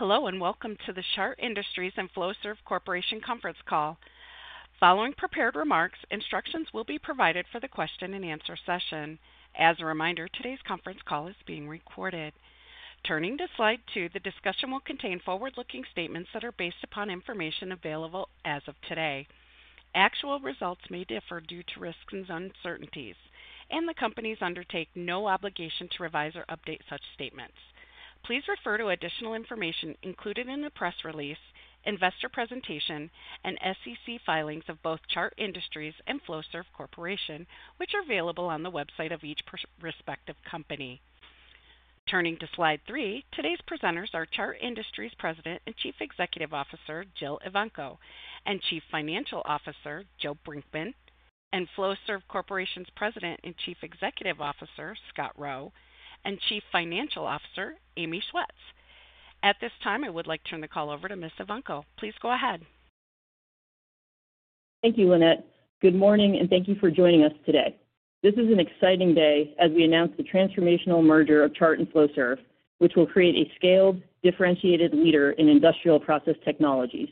Hello and welcome to the Chart Industries and Flowserve Corporation conference call. Following prepared remarks, instructions will be provided for the question-and-answer session. As a reminder, today's conference call is being recorded. Turning to slide two, the discussion will contain forward-looking statements that are based upon information available as of today. Actual results may differ due to risks and uncertainties, and the companies undertake no obligation to revise or update such statements. Please refer to additional information included in the press release, investor presentation, and SEC filings of both Chart Industries and Flowserve Corporation, which are available on the website of each respective company. Turning to slide three, today's presenters are Chart Industries President and Chief Executive Officer Jill Evanko, and Chief Financial Officer Joe Brinkman, and Flowserve Corporation's President and Chief Executive Officer Scott Rowe, and Chief Financial Officer Amy Schwetz. At this time, I would like to turn the call over to Ms. Evanko. Please go ahead. Thank you, Lynette. Good morning, and thank you for joining us today. This is an exciting day as we announce the transformational merger of Chart and Flowserve, which will create a scaled, differentiated leader in industrial process technologies.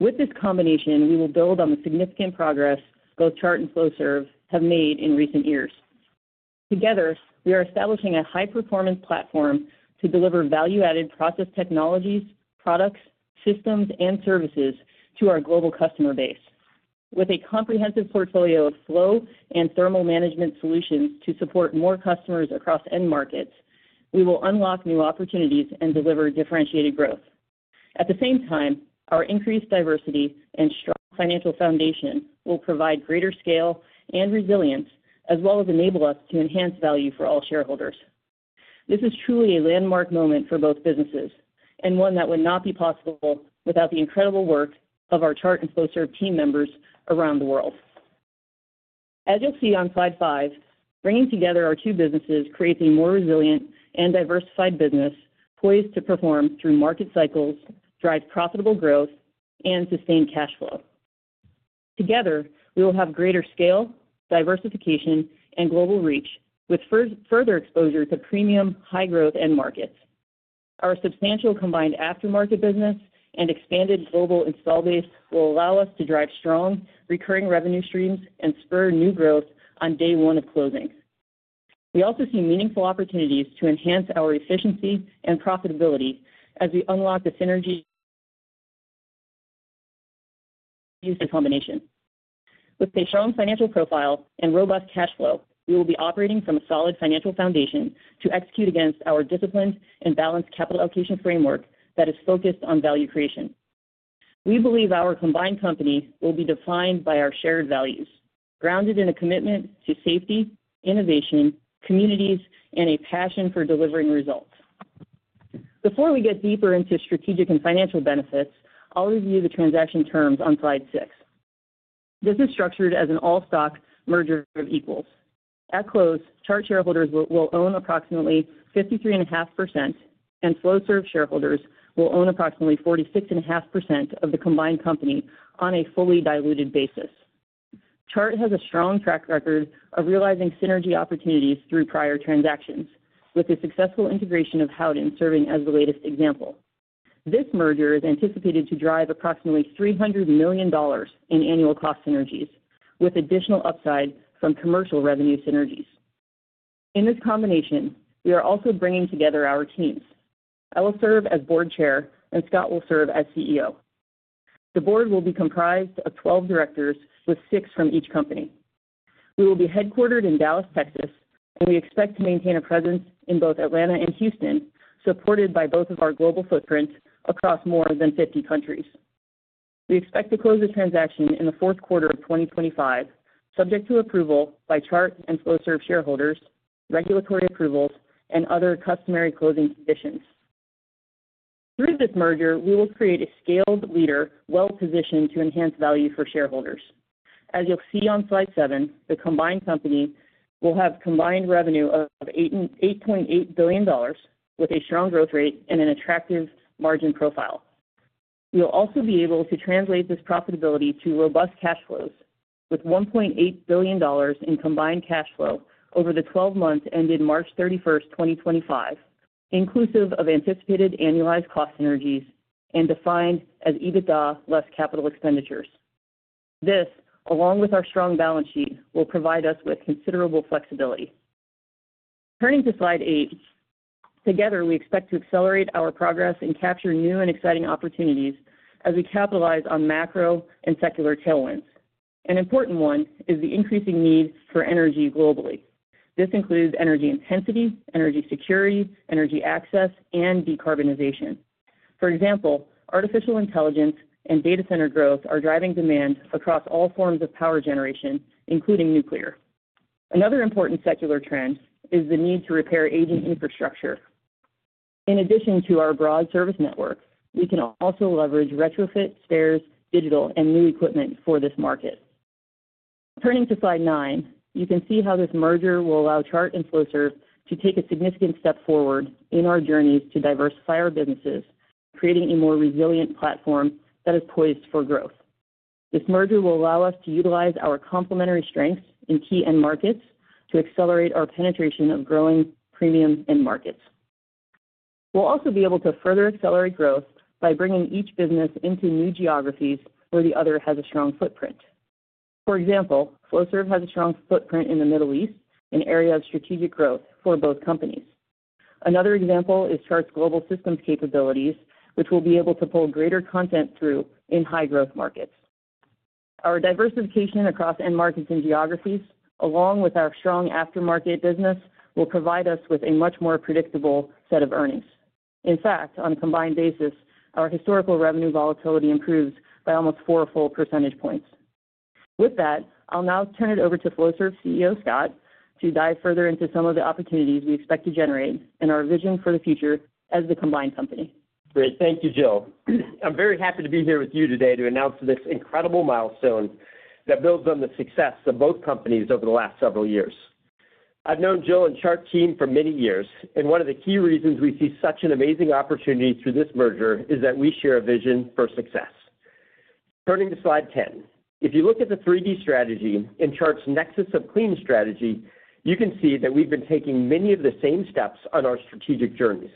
With this combination, we will build on the significant progress both Chart and Flowserve have made in recent years. Together, we are establishing a high-performance platform to deliver value-added process technologies, products, systems, and services to our global customer base. With a comprehensive portfolio of flow and thermal management solutions to support more customers across end markets, we will unlock new opportunities and deliver differentiated growth. At the same time, our increased diversity and strong financial foundation will provide greater scale and resilience, as well as enable us to enhance value for all shareholders. This is truly a landmark moment for both businesses, and one that would not be possible without the incredible work of our Chart and Flowserve team members around the world. As you'll see on slide five, bringing together our two businesses creates a more resilient and diversified business poised to perform through market cycles, drive profitable growth, and sustain cash flow. Together, we will have greater scale, diversification, and global reach, with further exposure to premium, high-growth end markets. Our substantial combined aftermarket business and expanded global install base will allow us to drive strong, recurring revenue streams and spur new growth on day one of closing. We also see meaningful opportunities to enhance our efficiency and profitability as we unlock the synergy of these two combinations. With a strong financial profile and robust cash flow, we will be operating from a solid financial foundation to execute against our disciplined and balanced capital allocation framework that is focused on value creation. We believe our combined company will be defined by our shared values, grounded in a commitment to safety, innovation, communities, and a passion for delivering results. Before we get deeper into strategic and financial benefits, I'll review the transaction terms on slide six. This is structured as an all-stock merger of equals. At close, Chart shareholders will own approximately 53.5%, and Flowserve shareholders will own approximately 46.5% of the combined company on a fully diluted basis. Chart has a strong track record of realizing synergy opportunities through prior transactions, with the successful integration of Howden serving as the latest example. This merger is anticipated to drive approximately $300 million in annual cost synergies, with additional upside from commercial revenue synergies. In this combination, we are also bringing together our teams. I will serve as Board Chair, and Scott will serve as CEO. The Board will be comprised of 12 directors, with six from each company. We will be headquartered in Dallas, Texas, and we expect to maintain a presence in both Atlanta and Houston, supported by both of our global footprints across more than 50 countries. We expect to close the transaction in the fourth quarter of 2025, subject to approval by Chart and Flowserve shareholders, regulatory approvals, and other customary closing conditions. Through this merger, we will create a scaled leader well-positioned to enhance value for shareholders. As you'll see on slide seven, the combined company will have combined revenue of $8.8 billion, with a strong growth rate and an attractive margin profile. We'll also be able to translate this profitability to robust cash flows, with $1.8 billion in combined cash flow over the 12 months ended March 31, 2025, inclusive of anticipated annualized cost synergies and defined as EBITDA less capital expenditures. This, along with our strong balance sheet, will provide us with considerable flexibility. Turning to slide eight, together, we expect to accelerate our progress and capture new and exciting opportunities as we capitalize on macro and secular tailwinds. An important one is the increasing need for energy globally. This includes energy intensity, energy security, energy access, and decarbonization. For example, artificial intelligence and data center growth are driving demand across all forms of power generation, including nuclear. Another important secular trend is the need to repair aging infrastructure. In addition to our broad service network, we can also leverage retrofits, spares, digital, and new equipment for this market. Turning to slide nine, you can see how this merger will allow Chart and Flowserve to take a significant step forward in our journeys to diversify our businesses, creating a more resilient platform that is poised for growth. This merger will allow us to utilize our complementary strengths in key end markets to accelerate our penetration of growing premium end markets. We'll also be able to further accelerate growth by bringing each business into new geographies where the other has a strong footprint. For example, Flowserve has a strong footprint in the Middle East, an area of strategic growth for both companies. Another example is Chart's global systems capabilities, which will be able to pull greater content through in high-growth markets. Our diversification across end markets and geographies, along with our strong aftermarket business, will provide us with a much more predictable set of earnings. In fact, on a combined basis, our historical revenue volatility improves by almost four full percentage points. With that, I'll now turn it over to Flowserve CEO Scott to dive further into some of the opportunities we expect to generate and our vision for the future as the combined company. Great. Thank you, Jill. I'm very happy to be here with you today to announce this incredible milestone that builds on the success of both companies over the last several years. I've known Jill and Chart's team for many years, and one of the key reasons we see such an amazing opportunity through this merger is that we share a vision for success. Turning to slide ten, if you look at the 3D strategy and Chart's nexus of clean strategy, you can see that we've been taking many of the same steps on our strategic journeys.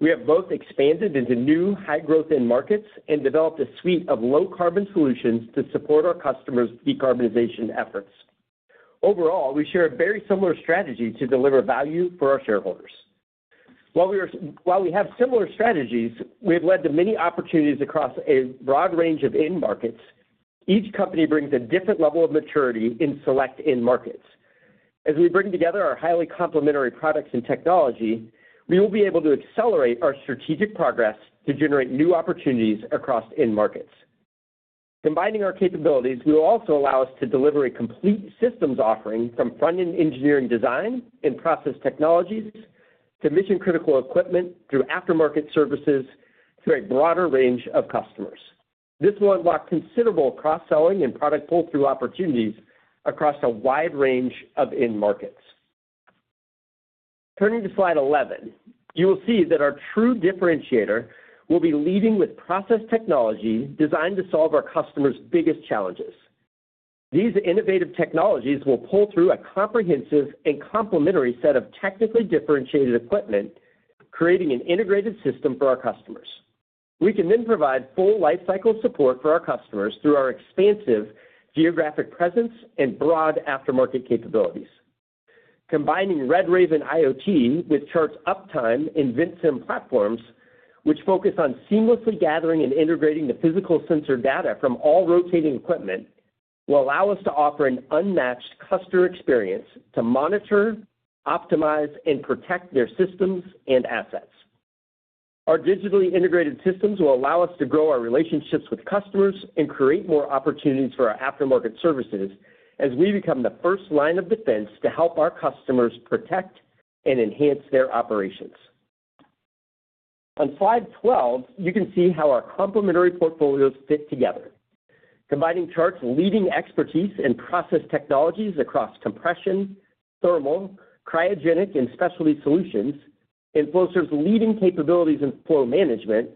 We have both expanded into new high-growth end markets and developed a suite of low-carbon solutions to support our customers' decarbonization efforts. Overall, we share a very similar strategy to deliver value for our shareholders. While we have similar strategies, we have led to many opportunities across a broad range of end markets. Each company brings a different level of maturity in select end markets. As we bring together our highly complementary products and technology, we will be able to accelerate our strategic progress to generate new opportunities across end markets. Combining our capabilities will also allow us to deliver a complete systems offering from front-end engineering design and process technologies to mission-critical equipment through aftermarket services to a broader range of customers. This will unlock considerable cross-selling and product pull-through opportunities across a wide range of end markets. Turning to slide 11, you will see that our true differentiator will be leading with process technology designed to solve our customers' biggest challenges. These innovative technologies will pull through a comprehensive and complementary set of technically differentiated equipment, creating an integrated system for our customers. We can then provide full lifecycle support for our customers through our expansive geographic presence and broad aftermarket capabilities. Combining Red Raven IoT with Chart's Uptime and VinSim platforms, which focus on seamlessly gathering and integrating the physical sensor data from all rotating equipment, will allow us to offer an unmatched customer experience to monitor, optimize, and protect their systems and assets. Our digitally integrated systems will allow us to grow our relationships with customers and create more opportunities for our aftermarket services as we become the first line of defense to help our customers protect and enhance their operations. On slide 12, you can see how our complementary portfolios fit together. Combining Chart's leading expertise and process technologies across compression, thermal, cryogenic, and specialty solutions, and Flowserve's leading capabilities in flow management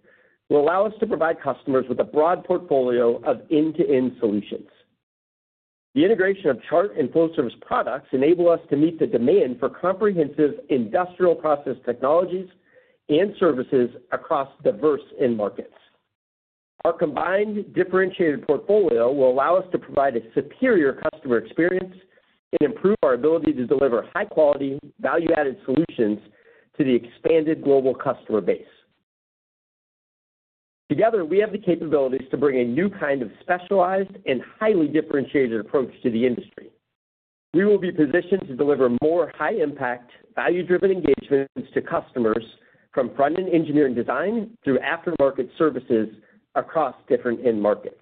will allow us to provide customers with a broad portfolio of end-to-end solutions. The integration of Chart and Flowserve's products enables us to meet the demand for comprehensive industrial process technologies and services across diverse end markets. Our combined differentiated portfolio will allow us to provide a superior customer experience and improve our ability to deliver high-quality, value-added solutions to the expanded global customer base. Together, we have the capabilities to bring a new kind of specialized and highly differentiated approach to the industry. We will be positioned to deliver more high-impact, value-driven engagements to customers from front-end engineering design through aftermarket services across different end markets.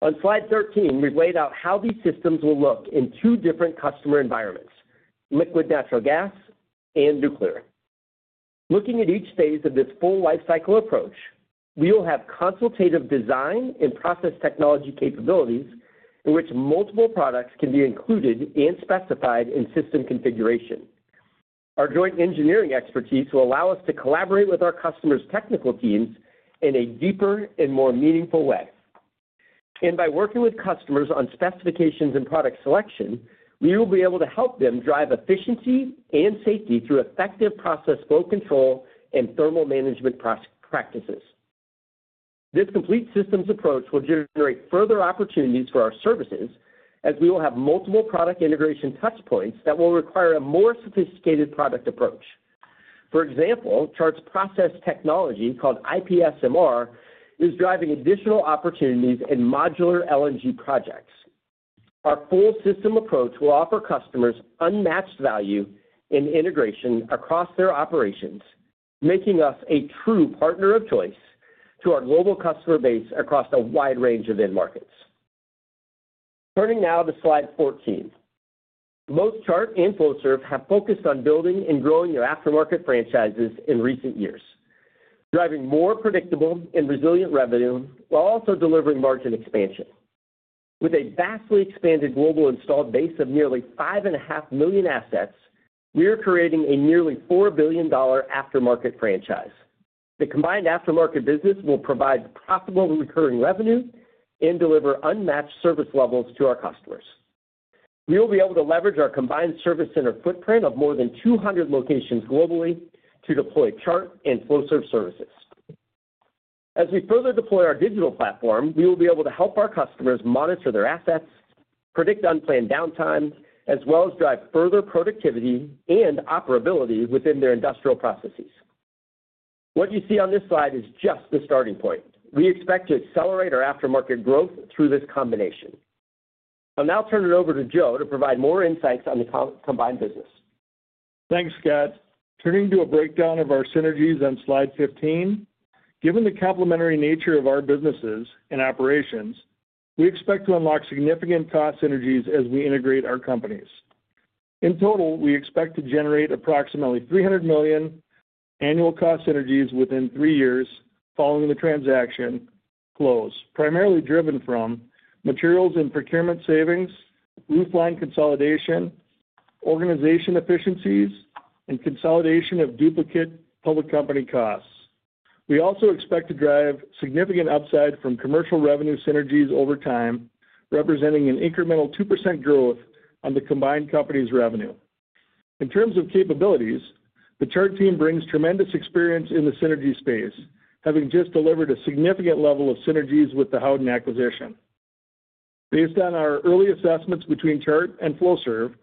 On slide 13, we've laid out how these systems will look in two different customer environments: liquefied natural gas and nuclear. Looking at each phase of this full lifecycle approach, we will have consultative design and process technology capabilities in which multiple products can be included and specified in system configuration. Our joint engineering expertise will allow us to collaborate with our customers' technical teams in a deeper and more meaningful way. By working with customers on specifications and product selection, we will be able to help them drive efficiency and safety through effective process flow control and thermal management practices. This complete systems approach will generate further opportunities for our services as we will have multiple product integration touchpoints that will require a more sophisticated product approach. For example, Chart's process technology called IPSMR is driving additional opportunities in modular LNG projects. Our full system approach will offer customers unmatched value and integration across their operations, making us a true partner of choice to our global customer base across a wide range of end markets. Turning now to slide 14, both Chart and Flowserve have focused on building and growing their aftermarket franchises in recent years, driving more predictable and resilient revenue while also delivering margin expansion. With a vastly expanded global installed base of nearly 5.5 million assets, we are creating a nearly $4 billion aftermarket franchise. The combined aftermarket business will provide profitable recurring revenue and deliver unmatched service levels to our customers. We will be able to leverage our combined service center footprint of more than 200 locations globally to deploy Chart and Flowserve services. As we further deploy our digital platform, we will be able to help our customers monitor their assets, predict unplanned downtime, as well as drive further productivity and operability within their industrial processes. What you see on this slide is just the starting point. We expect to accelerate our aftermarket growth through this combination. I'll now turn it over to Joe to provide more insights on the combined business. Thanks, Scott. Turning to a breakdown of our synergies on slide 15, given the complementary nature of our businesses and operations, we expect to unlock significant cost synergies as we integrate our companies. In total, we expect to generate approximately $300 million annual cost synergies within three years following the transaction close, primarily driven from materials and procurement savings, roofline consolidation, organization efficiencies, and consolidation of duplicate public company costs. We also expect to drive significant upside from commercial revenue synergies over time, representing an incremental 2% growth on the combined company's revenue. In terms of capabilities, the Chart team brings tremendous experience in the synergy space, having just delivered a significant level of synergies with the Howden acquisition. Based on our early assessments between Chart and Flowserve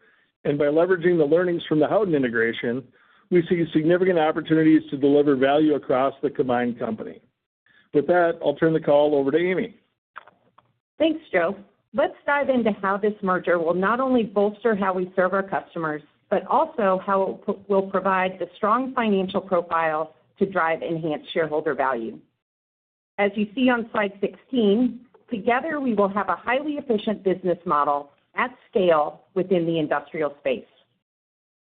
and by leveraging the learnings from the Howden integration, we see significant opportunities to deliver value across the combined company. With that, I'll turn the call over to Amy. Thanks, Joe. Let's dive into how this merger will not only bolster how we serve our customers, but also how it will provide a strong financial profile to drive enhanced shareholder value. As you see on slide 16, together, we will have a highly efficient business model at scale within the industrial space.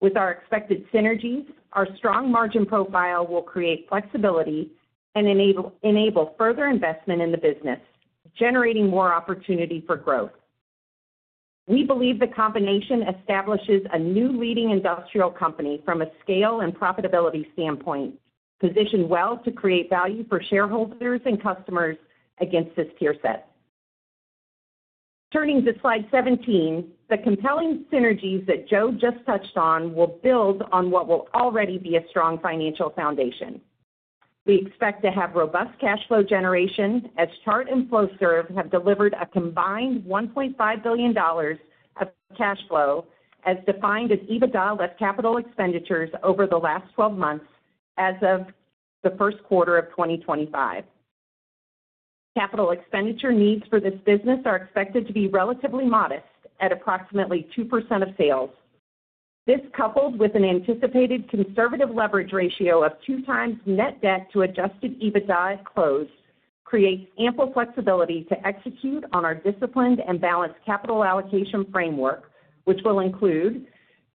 With our expected synergies, our strong margin profile will create flexibility and enable further investment in the business, generating more opportunity for growth. We believe the combination establishes a new leading industrial company from a scale and profitability standpoint, positioned well to create value for shareholders and customers against this tier set. Turning to slide 17, the compelling synergies that Joe just touched on will build on what will already be a strong financial foundation. We expect to have robust cash flow generation as Chart and Flowserve have delivered a combined $1.5 billion of cash flow as defined as EBITDA less capital expenditures over the last 12 months as of the first quarter of 2025. Capital expenditure needs for this business are expected to be relatively modest at approximately 2% of sales. This, coupled with an anticipated conservative leverage ratio of two times net debt to adjusted EBITDA at close, creates ample flexibility to execute on our disciplined and balanced capital allocation framework, which will include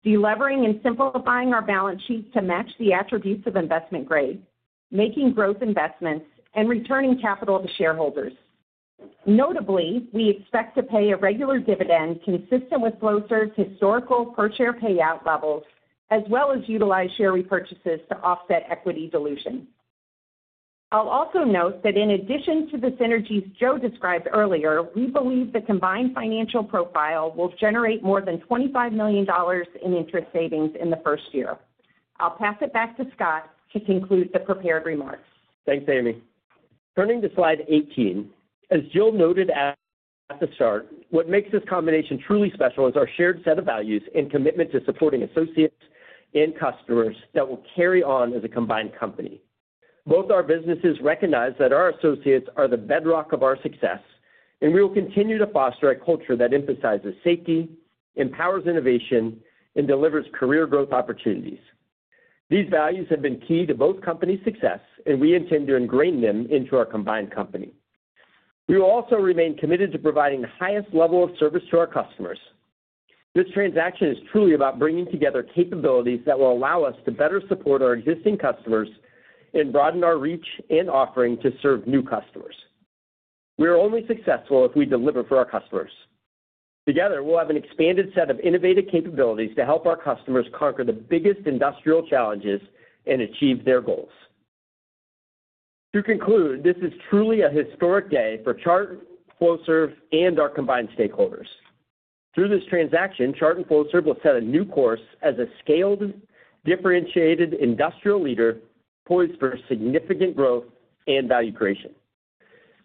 delivering and simplifying our balance sheet to match the attributes of investment grade, making growth investments, and returning capital to shareholders. Notably, we expect to pay a regular dividend consistent with Flowserve's historical per-share payout levels, as well as utilize share repurchases to offset equity dilution. I'll also note that in addition to the synergies Joe described earlier, we believe the combined financial profile will generate more than $25 million in interest savings in the first year. I'll pass it back to Scott to conclude the prepared remarks. Thanks, Amy. Turning to slide 18, as Jill noted at the start, what makes this combination truly special is our shared set of values and commitment to supporting associates and customers that will carry on as a combined company. Both our businesses recognize that our associates are the bedrock of our success, and we will continue to foster a culture that emphasizes safety, empowers innovation, and delivers career growth opportunities. These values have been key to both companies' success, and we intend to ingrain them into our combined company. We will also remain committed to providing the highest level of service to our customers. This transaction is truly about bringing together capabilities that will allow us to better support our existing customers and broaden our reach and offering to serve new customers. We are only successful if we deliver for our customers. Together, we'll have an expanded set of innovative capabilities to help our customers conquer the biggest industrial challenges and achieve their goals. To conclude, this is truly a historic day for Chart, Flowserve, and our combined stakeholders. Through this transaction, Chart and Flowserve will set a new course as a scaled, differentiated industrial leader poised for significant growth and value creation.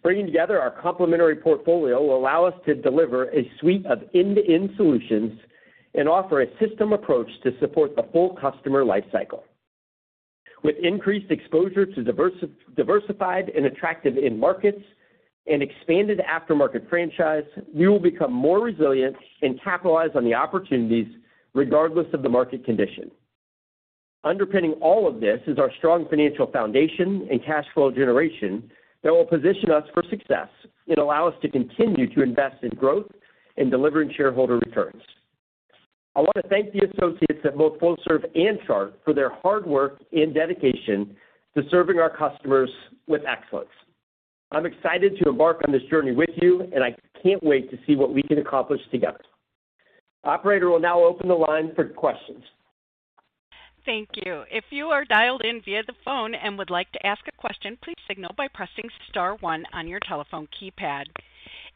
Bringing together our complementary portfolio will allow us to deliver a suite of end-to-end solutions and offer a system approach to support the full customer lifecycle. With increased exposure to diversified and attractive end markets and expanded aftermarket franchise, we will become more resilient and capitalize on the opportunities regardless of the market condition. Underpinning all of this is our strong financial foundation and cash flow generation that will position us for success and allow us to continue to invest in growth and delivering shareholder returns. I want to thank the associates at both Flowserve and Chart for their hard work and dedication to serving our customers with excellence. I'm excited to embark on this journey with you, and I can't wait to see what we can accomplish together. Operator will now open the line for questions. Thank you. If you are dialed in via the phone and would like to ask a question, please signal by pressing star one on your telephone keypad.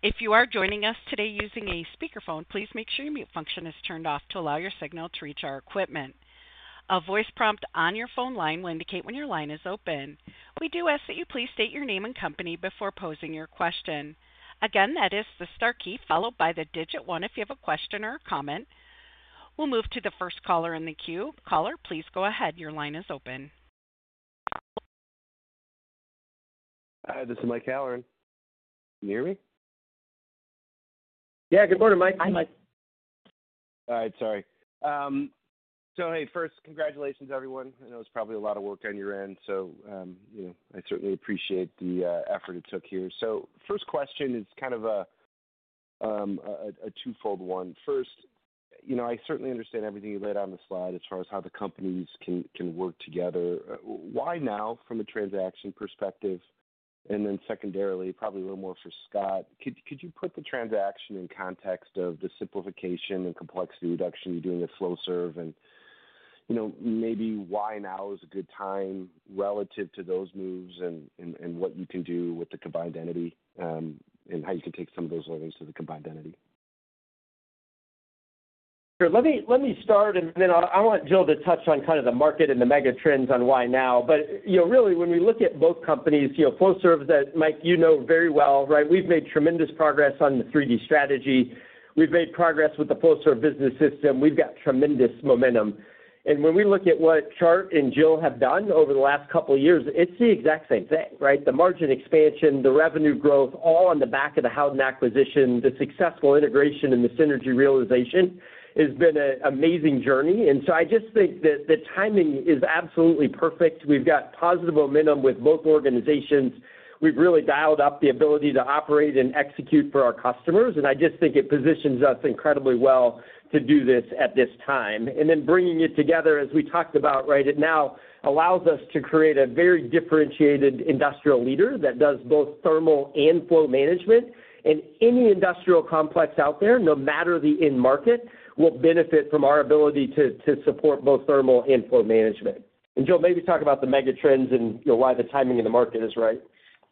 If you are joining us today using a speakerphone, please make sure your mute function is turned off to allow your signal to reach our equipment. A voice prompt on your phone line will indicate when your line is open. We do ask that you please state your name and company before posing your question. Again, that is the star key followed by the digit one if you have a question or a comment. We'll move to the first caller in the queue. Caller, please go ahead. Your line is open. Hi, this is Mike Halloran. Can you hear me? Yeah, good morning, Mike. Hi, Mike. All right, sorry. Hey, first, congratulations, everyone. I know it's probably a lot of work on your end, so I certainly appreciate the effort it took here. First question is kind of a twofold one. First, I certainly understand everything you laid out on the slide as far as how the companies can work together. Why now from a transaction perspective? Then secondarily, probably a little more for Scott, could you put the transaction in context of the simplification and complexity reduction you're doing with Flowserve? Maybe why now is a good time relative to those moves and what you can do with the combined entity and how you can take some of those learnings to the combined entity? Sure. Let me start, and then I want Joe to touch on kind of the market and the mega trends on why now. Really, when we look at both companies, Flowserve that, Mike, you know very well, right? We've made tremendous progress on the 3D strategy. We've made progress with the Flowserve business system. We've got tremendous momentum. When we look at what Chart and Jill have done over the last couple of years, it's the exact same thing, right? The margin expansion, the revenue growth, all on the back of the Howden acquisition, the successful integration, and the synergy realization has been an amazing journey. I just think that the timing is absolutely perfect. We've got positive momentum with both organizations. We've really dialed up the ability to operate and execute for our customers. I just think it positions us incredibly well to do this at this time. Bringing it together, as we talked about right now, allows us to create a very differentiated industrial leader that does both thermal and flow management. Any industrial complex out there, no matter the end market, will benefit from our ability to support both thermal and flow management. Joe, maybe talk about the mega trends and why the timing in the market is right.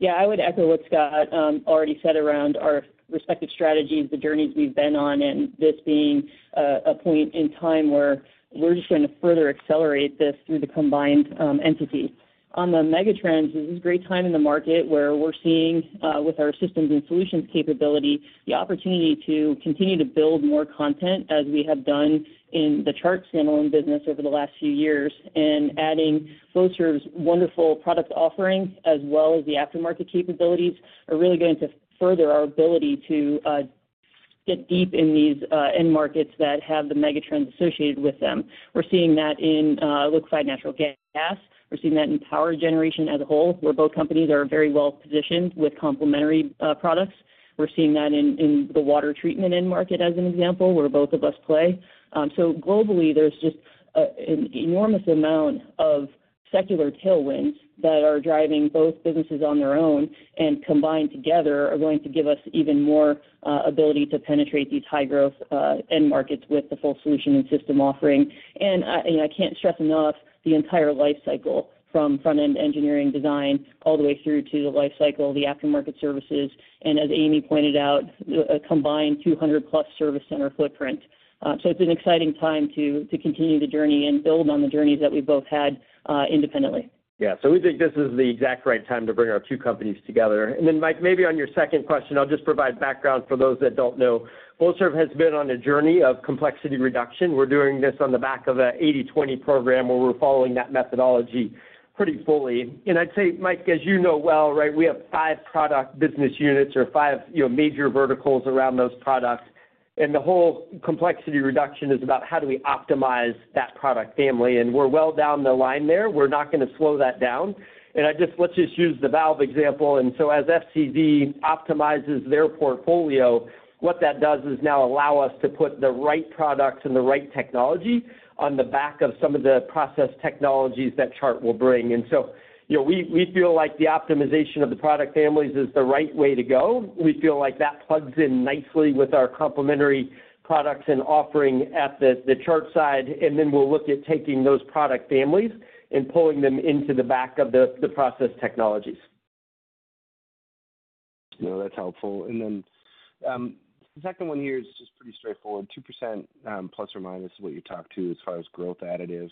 Yeah, I would echo what Scott already said around our respective strategies, the journeys we've been on, and this being a point in time where we're just going to further accelerate this through the combined entity. On the mega trends, this is a great time in the market where we're seeing, with our systems and solutions capability, the opportunity to continue to build more content as we have done in the Chart standalone business over the last few years. Adding Flowserve's wonderful product offering as well as the aftermarket capabilities are really going to further our ability to get deep in these end markets that have the mega trends associated with them. We're seeing that in liquefied natural gas. We're seeing that in power generation as a whole, where both companies are very well positioned with complementary products. We're seeing that in the water treatment end market as an example, where both of us play. Globally, there's just an enormous amount of secular tailwinds that are driving both businesses on their own and combined together are going to give us even more ability to penetrate these high-growth end markets with the full solution and system offering. I can't stress enough the entire life cycle from front-end engineering design all the way through to the life cycle, the aftermarket services, and as Amy pointed out, a combined 200-plus service center footprint. It's an exciting time to continue the journey and build on the journeys that we've both had independently. Yeah. We think this is the exact right time to bring our two companies together. Mike, maybe on your second question, I'll just provide background for those that do not know. Flowserve has been on a journey of complexity reduction. We're doing this on the back of an 80/20 program where we're following that methodology pretty fully. I'd say, Mike, as you know well, right, we have five product business units or five major verticals around those products. The whole complexity reduction is about how do we optimize that product family. We're well down the line there. We're not going to slow that down. Let's just use the valve example. As FCV optimizes their portfolio, what that does is now allow us to put the right products and the right technology on the back of some of the process technologies that Chart will bring. We feel like the optimization of the product families is the right way to go. We feel like that plugs in nicely with our complementary products and offering at the Chart side. We will look at taking those product families and pulling them into the back of the process technologies. No, that's helpful. The second one here is just pretty straightforward. 2% plus or minus is what you talk to as far as growth additive.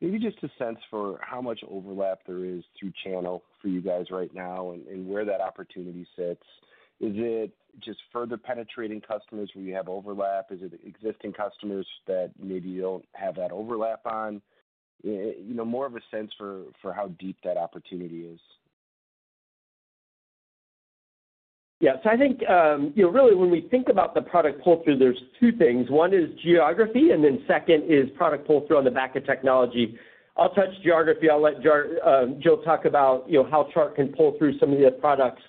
Maybe just a sense for how much overlap there is through channel for you guys right now and where that opportunity sits. Is it just further penetrating customers where you have overlap? Is it existing customers that maybe you don't have that overlap on? More of a sense for how deep that opportunity is. Yeah. So I think really, when we think about the product pull-through, there's two things. One is geography, and then second is product pull-through on the back of technology. I'll touch geography. I'll let Joe talk about how Chart can pull through some of the products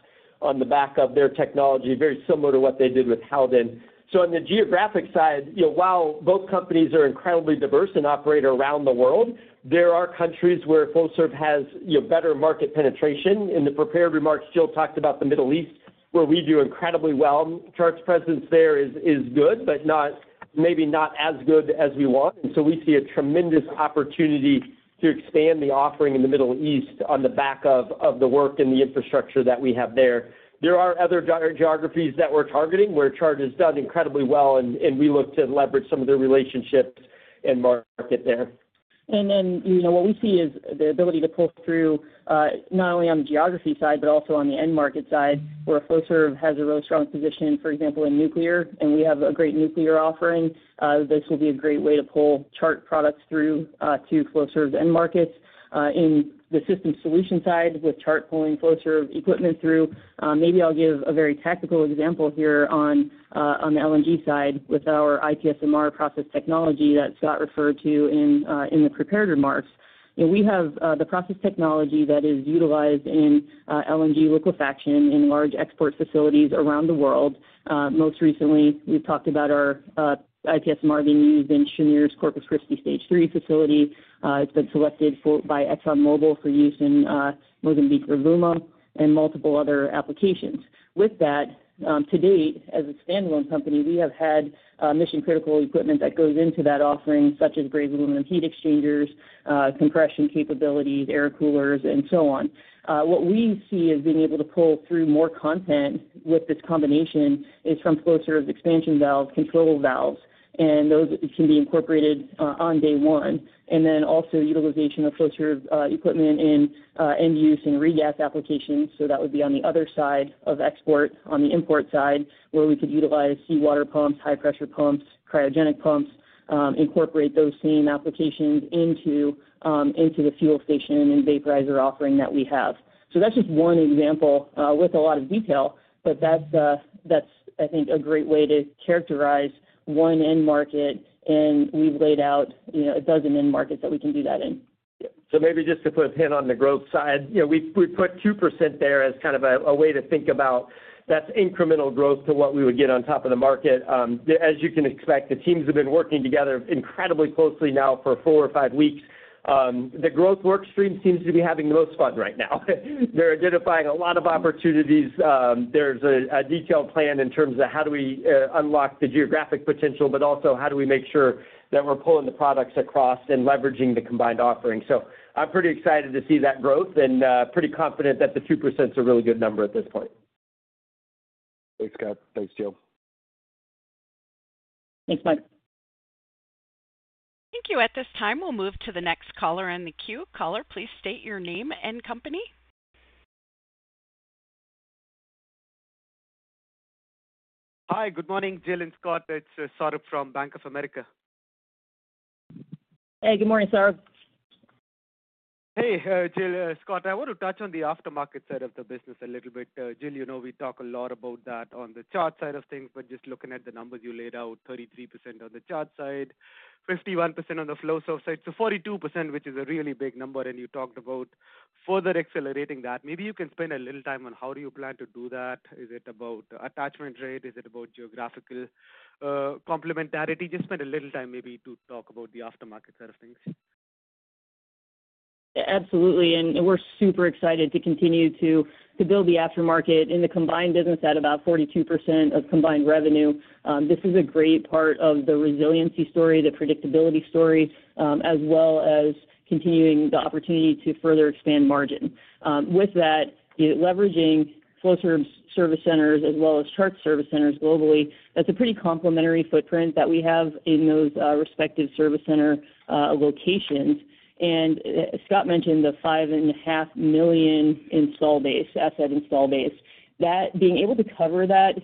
on the back of their technology, very similar to what they did with Howden. On the geographic side, while both companies are incredibly diverse and operate around the world, there are countries where Flowserve has better market penetration. In the prepared remarks, Joe talked about the Middle East, where we do incredibly well. Chart's presence there is good, but maybe not as good as we want. We see a tremendous opportunity to expand the offering in the Middle East on the back of the work and the infrastructure that we have there. There are other geographies that we're targeting where Chart has done incredibly well, and we look to leverage some of their relationships and market there. What we see is the ability to pull through not only on the geography side, but also on the end market side, where Flowserve has a real strong position, for example, in nuclear, and we have a great nuclear offering. This will be a great way to pull Chart products through to Flowserve's end markets. In the system solution side, with Chart pulling Flowserve equipment through, maybe I'll give a very tactical example here on the LNG side with our IPSMR process technology that Scott referred to in the prepared remarks. We have the process technology that is utilized in LNG liquefaction in large export facilities around the world. Most recently, we've talked about our IPSMR being used in Cheniere's Corpus Christi stage three facility. It's been selected by ExxonMobil for use in Mozambique's Rovuma and multiple other applications. With that, to date, as a standalone company, we have had mission-critical equipment that goes into that offering, such as brazed aluminum heat exchangers, compression capabilities, air coolers, and so on. What we see is being able to pull through more content with this combination is from Flowserve's expansion valves, control valves, and those can be incorporated on day one. Also, utilization of Flowserve equipment in end-use and re-gas applications. That would be on the other side of export, on the import side, where we could utilize seawater pumps, high-pressure pumps, cryogenic pumps, incorporate those same applications into the fuel station and vaporizer offering that we have. That is just one example with a lot of detail, but that is, I think, a great way to characterize one end market, and we have laid out a dozen end markets that we can do that in. Maybe just to put a pin on the growth side, we put 2% there as kind of a way to think about that's incremental growth to what we would get on top of the market. As you can expect, the teams have been working together incredibly closely now for four or five weeks. The growth workstream seems to be having the most fun right now. They're identifying a lot of opportunities. There's a detailed plan in terms of how do we unlock the geographic potential, but also how do we make sure that we're pulling the products across and leveraging the combined offering. I'm pretty excited to see that growth and pretty confident that the 2% is a really good number at this point. Thanks, Scott. Thanks, Joe. Thanks, Mike. Thank you. At this time, we'll move to the next caller on the queue. Caller, please state your name and company. Hi, good morning. Jill and Scott, it's Saurabh from Bank of America. Hey, good morning, Saurabh. Hey, Jill. Scott, I want to touch on the aftermarket side of the business a little bit. Jill, you know we talk a lot about that on the Chart side of things, but just looking at the numbers you laid out, 33% on the Chart side, 51% on the Flowserve side. So 42%, which is a really big number, and you talked about further accelerating that. Maybe you can spend a little time on how do you plan to do that? Is it about attachment rate? Is it about geographical complementarity? Just spend a little time maybe to talk about the aftermarket side of things. Absolutely. We are super excited to continue to build the aftermarket in the combined business at about 42% of combined revenue. This is a great part of the resiliency story, the predictability story, as well as continuing the opportunity to further expand margin. With that, leveraging Flowserve's service centers as well as Chart's service centers globally, that is a pretty complementary footprint that we have in those respective service center locations. Scott mentioned the five and a half million install base, asset install base. That being able to cover that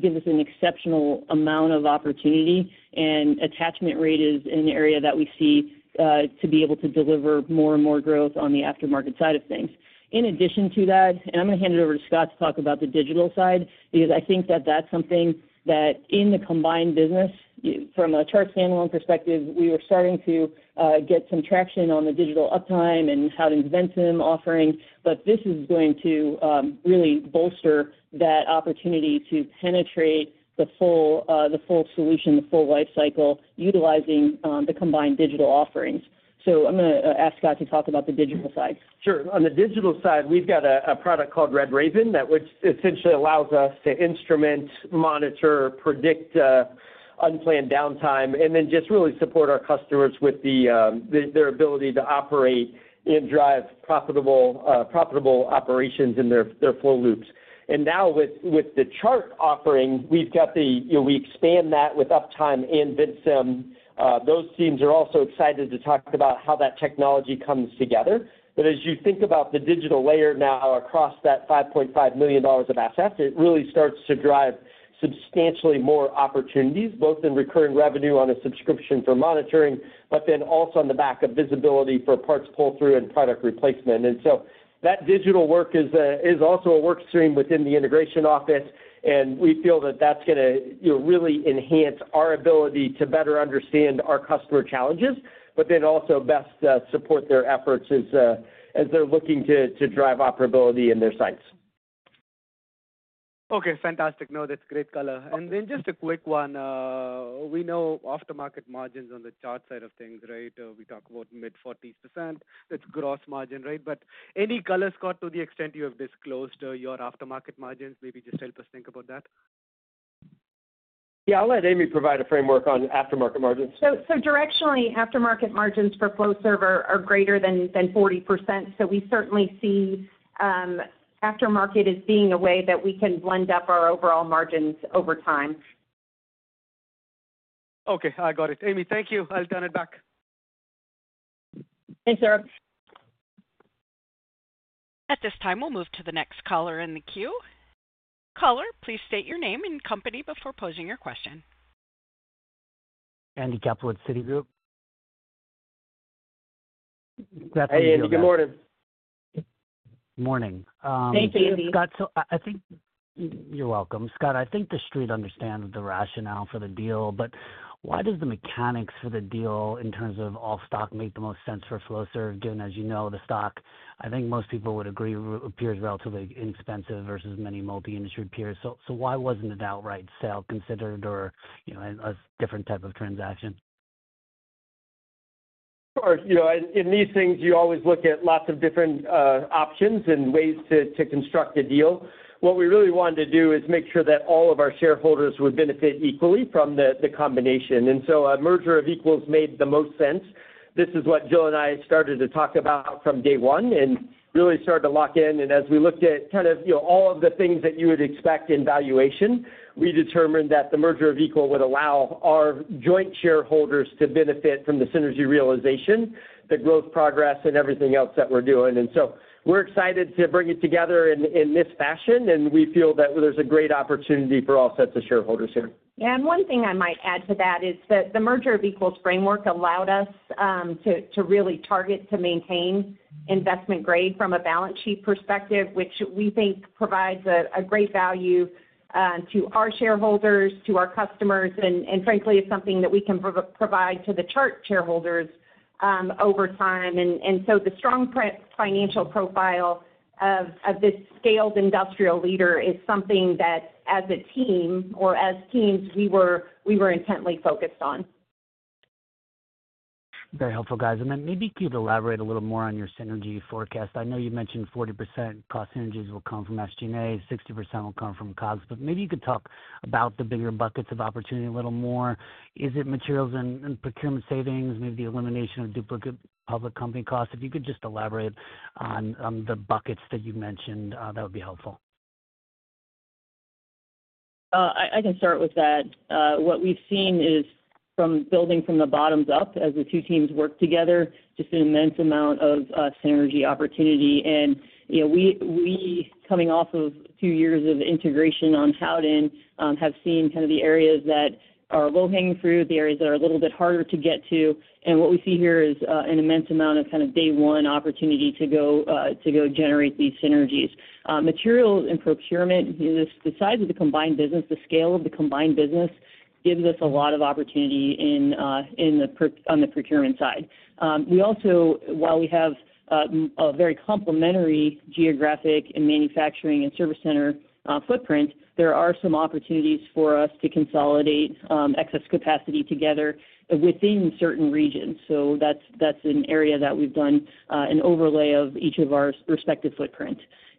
gives us an exceptional amount of opportunity, and attachment rate is an area that we see to be able to deliver more and more growth on the aftermarket side of things. In addition to that, and I'm going to hand it over to Scott to talk about the digital side, because I think that that's something that in the combined business, from a Chart standalone perspective, we were starting to get some traction on the digital uptime and how to invent them offering, but this is going to really bolster that opportunity to penetrate the full solution, the full life cycle, utilizing the combined digital offerings. I am going to ask Scott to talk about the digital side. Sure. On the digital side, we've got a product called Red Raven that essentially allows us to instrument, monitor, predict unplanned downtime, and then just really support our customers with their ability to operate and drive profitable operations in their flow loops. Now with the Chart offering, we expand that with Uptime and VinSim. Those teams are also excited to talk about how that technology comes together. As you think about the digital layer now across that $5.5 million of assets, it really starts to drive substantially more opportunities, both in recurring revenue on a subscription for monitoring, but also on the back of visibility for parts pull-through and product replacement. That digital work is also a workstream within the integration office, and we feel that that's going to really enhance our ability to better understand our customer challenges, but then also best support their efforts as they're looking to drive operability in their sites. Okay. Fantastic. No, that's great color. And then just a quick one. We know aftermarket margins on the Chart side of things, right? We talk about mid 40%. That's gross margin, right? But any color, Scott, to the extent you have disclosed your aftermarket margins, maybe just help us think about that. Yeah. I'll let Amy provide a framework on aftermarket margins. Directionally, aftermarket margins for Flowserve are greater than 40%. We certainly see aftermarket as being a way that we can blend up our overall margins over time. Okay. I got it. Amy, thank you. I'll turn it back. Thanks, Sarah. At this time, we'll move to the next caller in the queue. Caller, please state your name and company before posing your question. Andy Kaplowitz, Citigroup. Hey, Andy. Good morning. Good morning. Thank you, Andy. I think you're welcome. Scott, I think the street understands the rationale for the deal, but why does the mechanics for the deal in terms of all stock make the most sense for Flowserve? As you know, the stock, I think most people would agree, appears relatively inexpensive versus many multi-industry peers. Why wasn't an outright sale considered or a different type of transaction? Sure. In these things, you always look at lots of different options and ways to construct a deal. What we really wanted to do is make sure that all of our shareholders would benefit equally from the combination. A merger of equals made the most sense. This is what Jill and I started to talk about from day one and really started to lock in. As we looked at kind of all of the things that you would expect in valuation, we determined that the merger of equal would allow our joint shareholders to benefit from the synergy realization, the growth progress, and everything else that we're doing. We are excited to bring it together in this fashion, and we feel that there's a great opportunity for all sets of shareholders here. Yeah. One thing I might add to that is that the merger of equals framework allowed us to really target to maintain investment grade from a balance sheet perspective, which we think provides a great value to our shareholders, to our customers, and frankly, it's something that we can provide to the Chart shareholders over time. The strong financial profile of this scaled industrial leader is something that, as a team or as teams, we were intently focused on. Very helpful, guys. Maybe could you elaborate a little more on your synergy forecast? I know you mentioned 40% cost synergies will come from SG&A, 60% will come from COGS, but maybe you could talk about the bigger buckets of opportunity a little more. Is it materials and procurement savings, maybe the elimination of duplicate public company costs? If you could just elaborate on the buckets that you mentioned, that would be helpful. I can start with that. What we've seen is from building from the bottoms up, as the two teams work together, just an immense amount of synergy opportunity. We, coming off of two years of integration on Howden, have seen kind of the areas that are low-hanging fruit, the areas that are a little bit harder to get to. What we see here is an immense amount of kind of day one opportunity to go generate these synergies. Materials and procurement, the size of the combined business, the scale of the combined business gives us a lot of opportunity on the procurement side. We also, while we have a very complementary geographic and manufacturing and service center footprint, there are some opportunities for us to consolidate excess capacity together within certain regions. That is an area that we've done an overlay of each of our respective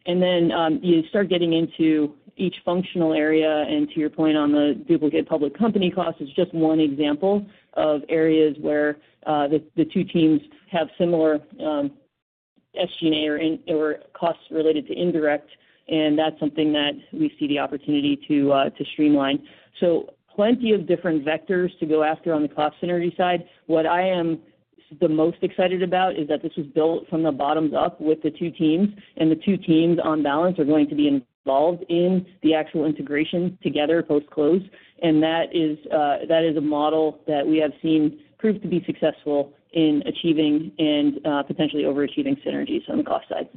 footprints. You start getting into each functional area, and to your point on the duplicate public company cost is just one example of areas where the two teams have similar SG&A or costs related to indirect, and that's something that we see the opportunity to streamline. Plenty of different vectors to go after on the cost synergy side. What I am the most excited about is that this was built from the bottoms up with the two teams, and the two teams on balance are going to be involved in the actual integration together post-close. That is a model that we have seen proved to be successful in achieving and potentially overachieving synergies on the cost side.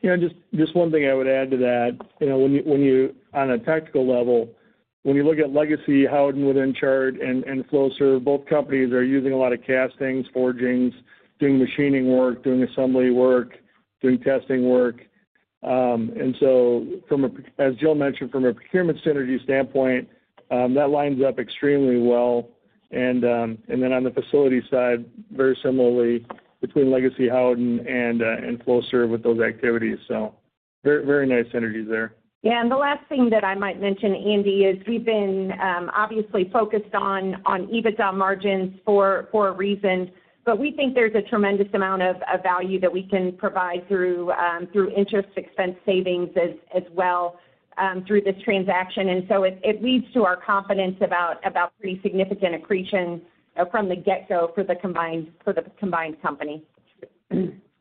Yeah. Just one thing I would add to that. When you, on a tactical level, when you look at Legacy Howden within Chart, and Flowserve, both companies are using a lot of castings, forgings, doing machining work, doing assembly work, doing testing work. As Jill mentioned, from a procurement synergy standpoint, that lines up extremely well. On the facility side, very similarly between Legacy Howden and Flowserve with those activities. Very nice synergies there. Yeah. The last thing that I might mention, Andy, is we've been obviously focused on EBITDA margins for a reason, but we think there's a tremendous amount of value that we can provide through interest expense savings as well through this transaction. It leads to our confidence about pretty significant accretion from the get-go for the combined company.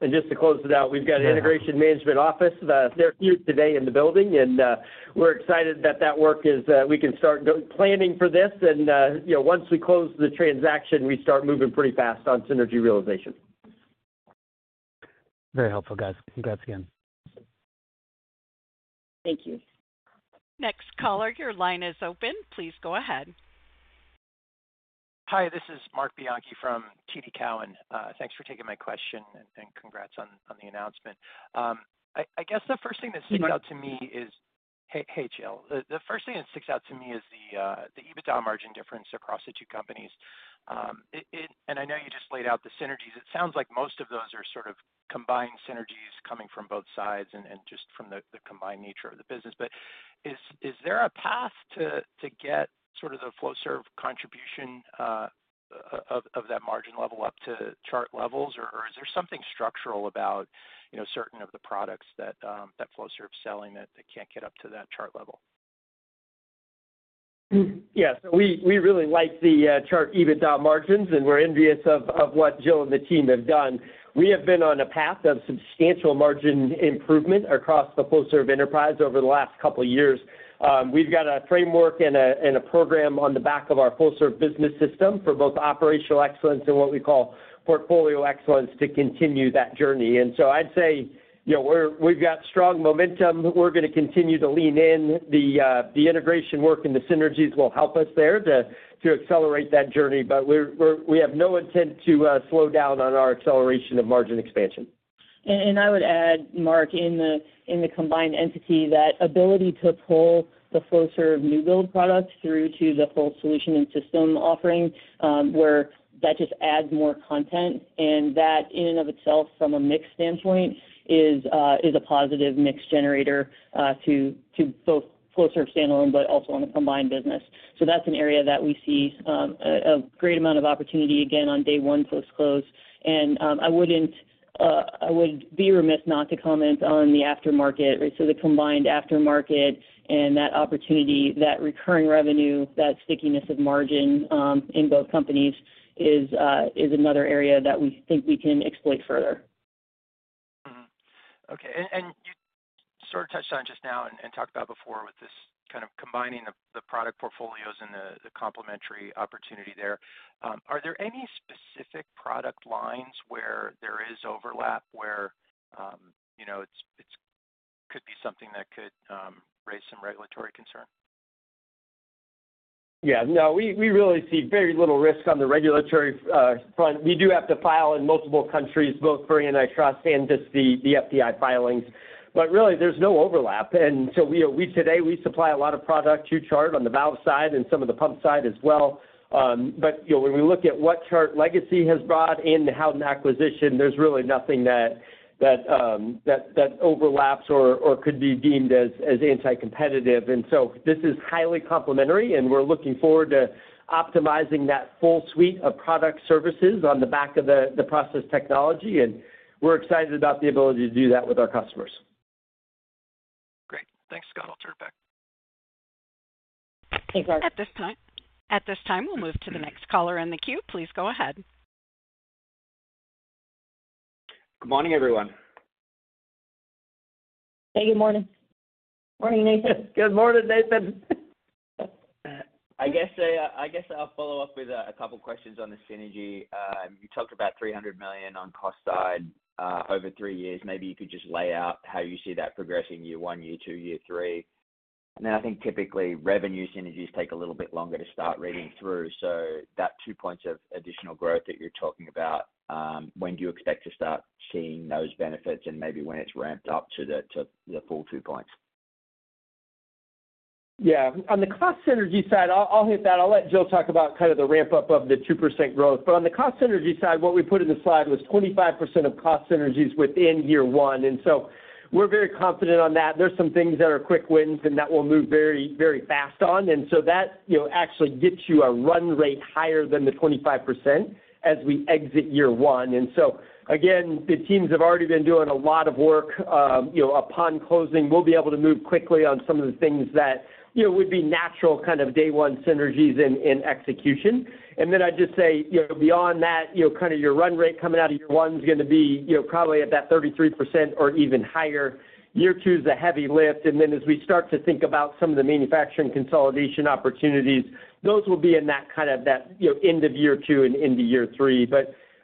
Just to close it out, we've got an integration management office. They're here today in the building, and we're excited that that work is we can start planning for this. Once we close the transaction, we start moving pretty fast on synergy realization. Very helpful, guys. Congrats again. Thank you. Next caller, your line is open. Please go ahead. Hi, this is Mark Bianchi from TD Cowen. Thanks for taking my question and congrats on the announcement. I guess the first thing that sticks out to me is, hey, Jill, the first thing that sticks out to me is the EBITDA margin difference across the two companies. I know you just laid out the synergies. It sounds like most of those are sort of combined synergies coming from both sides and just from the combined nature of the business. Is there a path to get sort of the Flowserve contribution of that margin level up to chart levels, or is there something structural about certain of the products that Flowserve is selling that can't get up to that chart level? Yeah. We really like the Chart EBITDA margins, and we're envious of what Jill and the team have done. We have been on a path of substantial margin improvement across the Flowserve enterprise over the last couple of years. We've got a framework and a program on the back of our Flowserve business system for both operational excellence and what we call portfolio excellence to continue that journey. I'd say we've got strong momentum. We're going to continue to lean in. The integration work and the synergies will help us there to accelerate that journey, but we have no intent to slow down on our acceleration of margin expansion. I would add, Mark, in the combined entity, that ability to pull the Flowserve new build products through to the full solution and system offering where that just adds more content. That in and of itself, from a mix standpoint, is a positive mix generator to both Flowserve standalone, but also on the combined business. That is an area that we see a great amount of opportunity again on day one post-close. I would be remiss not to comment on the aftermarket. The combined aftermarket and that opportunity, that recurring revenue, that stickiness of margin in both companies is another area that we think we can exploit further. Okay. You sort of touched on it just now and talked about before with this kind of combining the product portfolios and the complementary opportunity there. Are there any specific product lines where there is overlap where it could be something that could raise some regulatory concern? Yeah. No, we really see very little risk on the regulatory front. We do have to file in multiple countries, both for antitrust and just the FDI filings. Really, there's no overlap. Today, we supply a lot of product to Chart on the valve side and some of the pump side as well. When we look at what Chart Legacy has brought and Howden acquisition, there's really nothing that overlaps or could be deemed as anti-competitive. This is highly complementary, and we're looking forward to optimizing that full suite of product services on the back of the process technology. We're excited about the ability to do that with our customers. Great. Thanks, Scott. I'll turn it back. Thanks, Mark. At this time, we'll move to the next caller in the queue. Please go ahead. Good morning, everyone. Hey, good morning. Morning, Nathan. Good morning, Nathan. I guess I'll follow up with a couple of questions on the synergy. You talked about $300 million on cost side over three years. Maybe you could just lay out how you see that progressing year one, year two, year three. And then I think typically revenue synergies take a little bit longer to start reading through. So that two points of additional growth that you're talking about, when do you expect to start seeing those benefits and maybe when it's ramped up to the full two points? Yeah. On the cost synergy side, I'll hit that. I'll let Jill talk about kind of the ramp-up of the 2% growth. On the cost synergy side, what we put in the slide was 25% of cost synergies within year one. We're very confident on that. There are some things that are quick wins and that we'll move very, very fast on. That actually gets you a run rate higher than the 25% as we exit year one. The teams have already been doing a lot of work upon closing. We'll be able to move quickly on some of the things that would be natural kind of day one synergies in execution. I'd just say beyond that, your run rate coming out of year one is going to be probably at that 33% or even higher. Year two is a heavy lift. As we start to think about some of the manufacturing consolidation opportunities, those will be in that kind of end of year two and into year three.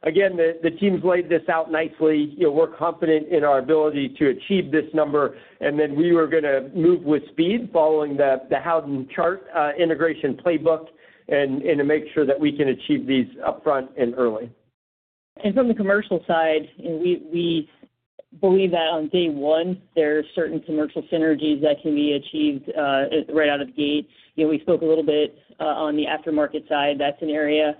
Again, the teams laid this out nicely. We're confident in our ability to achieve this number. We are going to move with speed following the Howden Chart integration playbook to make sure that we can achieve these upfront and early. From the commercial side, we believe that on day one, there are certain commercial synergies that can be achieved right out of the gate. We spoke a little bit on the aftermarket side. That is an area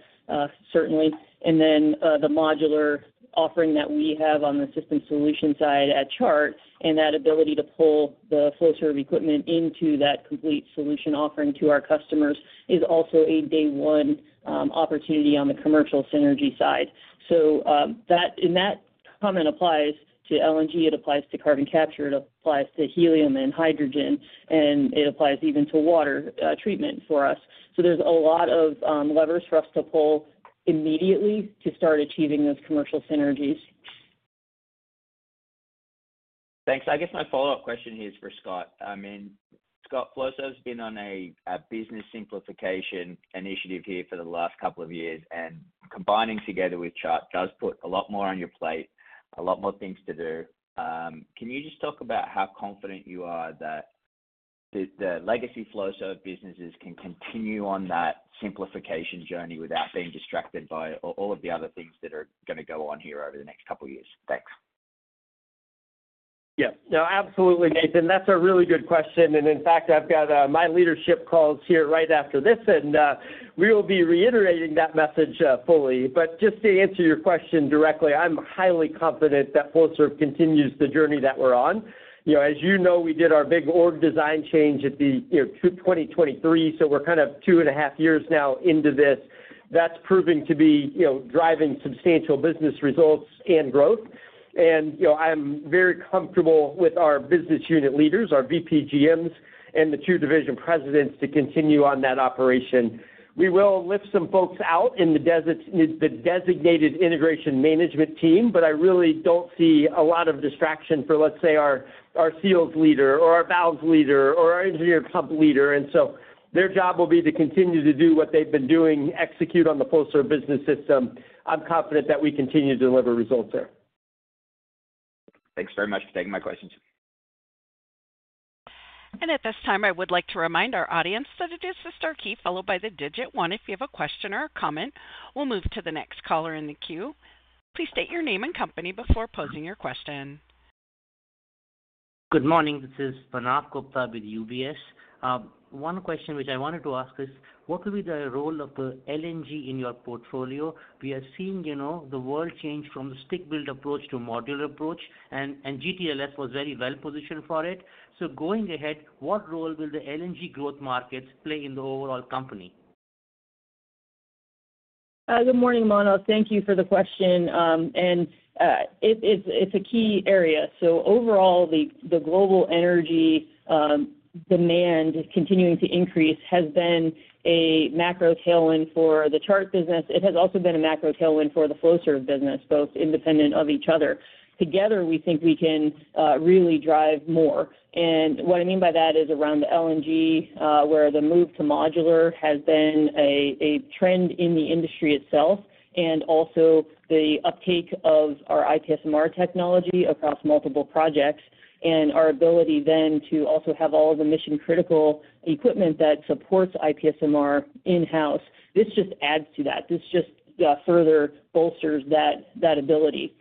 certainly. The modular offering that we have on the system solution side at Chart and that ability to pull the Flowserve equipment into that complete solution offering to our customers is also a day one opportunity on the commercial synergy side. That comment applies to LNG. It applies to carbon capture. It applies to helium and hydrogen. It applies even to water treatment for us. There are a lot of levers for us to pull immediately to start achieving those commercial synergies. Thanks. I guess my follow-up question here is for Scott. I mean, Scott, Flowserve has been on a business simplification initiative here for the last couple of years, and combining together with Chart does put a lot more on your plate, a lot more things to do. Can you just talk about how confident you are that the Legacy Flowserve businesses can continue on that simplification journey without being distracted by all of the other things that are going to go on here over the next couple of years? Thanks. Yeah. No, absolutely, Nathan. That's a really good question. In fact, I've got my leadership calls here right after this, and we will be reiterating that message fully. Just to answer your question directly, I'm highly confident that Flowserve continues the journey that we're on. As you know, we did our big org design change in 2023, so we're kind of two and a half years now into this. That's proving to be driving substantial business results and growth. I'm very comfortable with our business unit leaders, our VP GMs, and the two division presidents to continue on that operation. We will lift some folks out in the designated integration management team, but I really don't see a lot of distraction for, let's say, our seals leader or our valves leader or our engineer pump leader. Their job will be to continue to do what they've been doing, execute on the Flowserve business system. I'm confident that we continue to deliver results there. Thanks very much for taking my questions. At this time, I would like to remind our audience that it is the star key followed by the digit one if you have a question or a comment. We'll move to the next caller in the queue. Please state your name and company before posing your question. Good morning. This is Manav Gupta with UBS. One question which I wanted to ask is, what will be the role of the LNG in your portfolio? We are seeing the world change from the stick build approach to modular approach, and GTLS was very well positioned for it. Going ahead, what role will the LNG growth markets play in the overall company? Good morning, Manav. Thank you for the question. It is a key area. Overall, the global energy demand is continuing to increase, has been a macro tailwind for the Chart business. It has also been a macro tailwind for the Flowserve business, both independent of each other. Together, we think we can really drive more. What I mean by that is around the LNG, where the move to modular has been a trend in the industry itself, and also the uptake of our IPSMR technology across multiple projects, and our ability then to also have all of the mission-critical equipment that supports IPSMR in-house. This just adds to that. This just further bolsters that ability.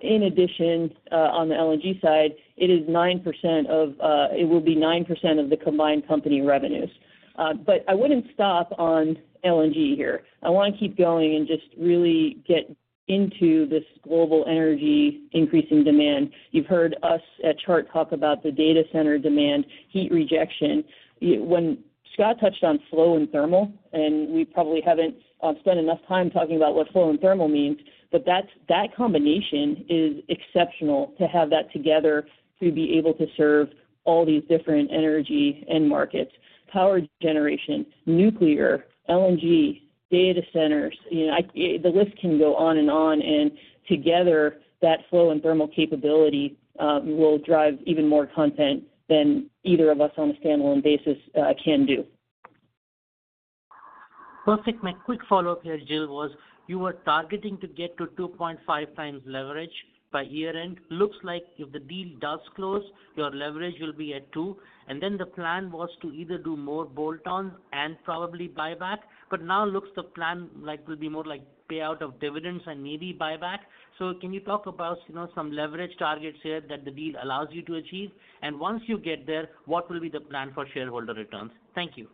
In addition, on the LNG side, it is 9% of it will be 9% of the combined company revenues. I would not stop on LNG here. I want to keep going and just really get into this global energy increasing demand. You've heard us at Chart talk about the data center demand, heat rejection. When Scott touched on flow and thermal, we probably haven't spent enough time talking about what flow and thermal means, but that combination is exceptional to have that together to be able to serve all these different energy and markets. Power generation, nuclear, LNG, data centers, the list can go on and on. Together, that flow and thermal capability will drive even more content than either of us on a standalone basis can do. Perfect. My quick follow-up here, Jill, was you were targeting to get to 2.5 times leverage by year-end. Looks like if the deal does close, your leverage will be at 2. The plan was to either do more bolt-ons and probably buyback. Now it looks like the plan will be more like payout of dividends and maybe buyback. Can you talk about some leverage targets here that the deal allows you to achieve? Once you get there, what will be the plan for shareholder returns? Thank you.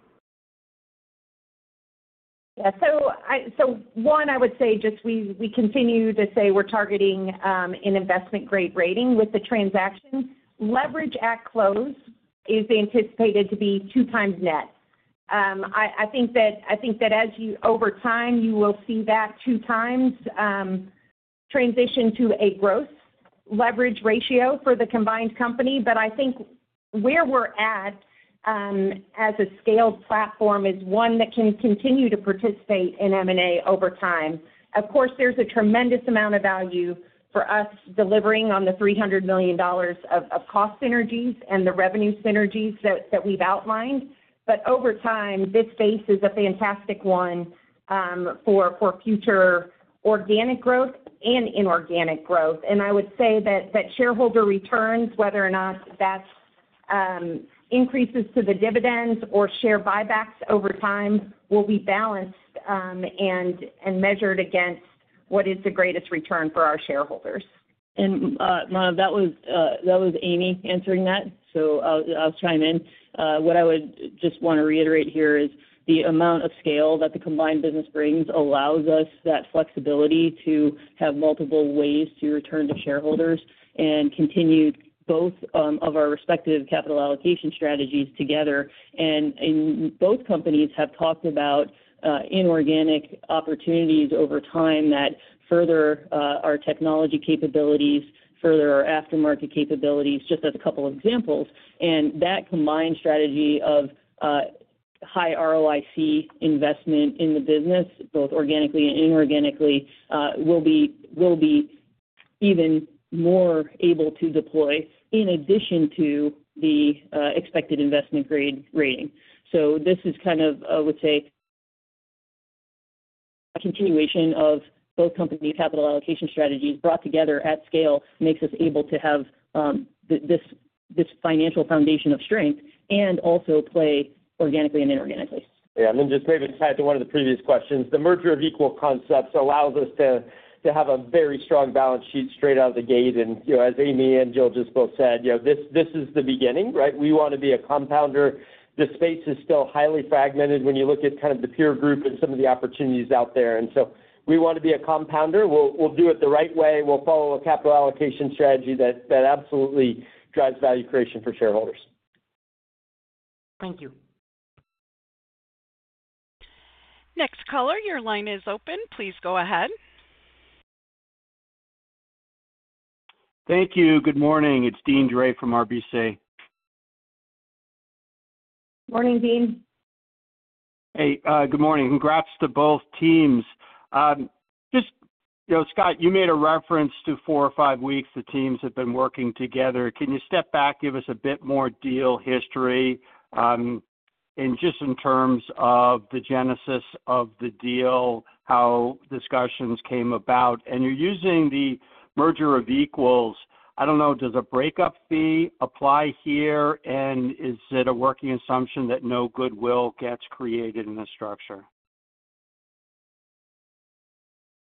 Yeah. So one, I would say just we continue to say we're targeting an investment-grade rating with the transaction. Leverage at close is anticipated to be 2 times net. I think that as you over time, you will see that 2 times transition to a gross leverage ratio for the combined company. I think where we're at as a scaled platform is one that can continue to participate in M&A over time. Of course, there's a tremendous amount of value for us delivering on the $300 million of cost synergies and the revenue synergies that we've outlined. Over time, this space is a fantastic one for future organic growth and inorganic growth. I would say that shareholder returns, whether or not that increases to the dividends or share buybacks over time, will be balanced and measured against what is the greatest return for our shareholders. Manav, that was Amy answering that. I'll chime in. What I would just want to reiterate here is the amount of scale that the combined business brings allows us that flexibility to have multiple ways to return to shareholders and continue both of our respective capital allocation strategies together. Both companies have talked about inorganic opportunities over time that further our technology capabilities, further our aftermarket capabilities, just as a couple of examples. That combined strategy of high ROIC investment in the business, both organically and inorganically, will be even more able to deploy in addition to the expected investment-grade rating. This is kind of, I would say, a continuation of both company capital allocation strategies brought together at scale makes us able to have this financial foundation of strength and also play organically and inorganically. Yeah. Just maybe tie to one of the previous questions. The merger of equal concepts allows us to have a very strong balance sheet straight out of the gate. As Amy and Jill just both said, this is the beginning, right? We want to be a compounder. The space is still highly fragmented when you look at kind of the peer group and some of the opportunities out there. We want to be a compounder. We'll do it the right way. We'll follow a capital allocation strategy that absolutely drives value creation for shareholders. Thank you. Next caller, your line is open. Please go ahead. Thank you. Good morning. It's Deane Dray from RBC. Morning, Dean. Hey, good morning. Congrats to both teams. Just, Scott, you made a reference to four or five weeks the teams have been working together. Can you step back, give us a bit more deal history? Just in terms of the genesis of the deal, how discussions came about. You're using the merger of equals. I don't know, does a breakup fee apply here? Is it a working assumption that no goodwill gets created in the structure?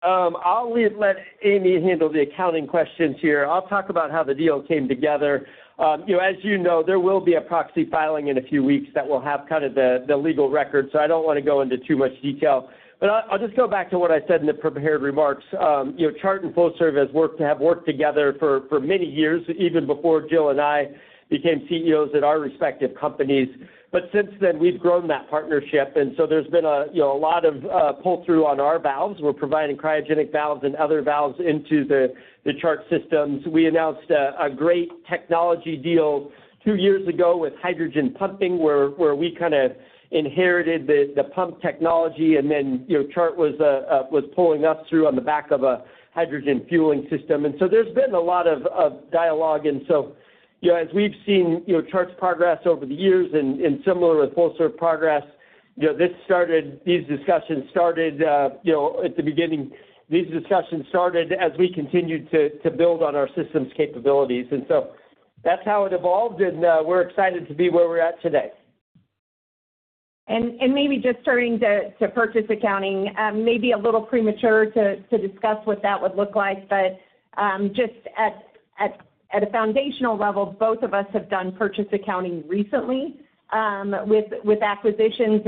I'll let Amy handle the accounting questions here. I'll talk about how the deal came together. As you know, there will be a proxy filing in a few weeks that will have kind of the legal record. I don't want to go into too much detail. I'll just go back to what I said in the prepared remarks. Chart and Flowserve have worked together for many years, even before Jill and I became CEOs at our respective companies. Since then, we've grown that partnership. There's been a lot of pull-through on our valves. We're providing cryogenic valves and other valves into the Chart systems. We announced a great technology deal two years ago with hydrogen pumping, where we kind of inherited the pump technology. Chart was pulling us through on the back of a hydrogen fueling system. There has been a lot of dialogue. As we've seen Chart's progress over the years and similar with Flowserve progress, these discussions started at the beginning. These discussions started as we continued to build on our system's capabilities. That is how it evolved. We're excited to be where we're at today. Maybe just starting to purchase accounting, maybe a little premature to discuss what that would look like. Just at a foundational level, both of us have done purchase accounting recently with acquisitions.